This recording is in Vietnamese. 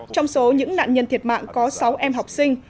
trong số những nạn nhân thiệt mạng có sáu em học sinh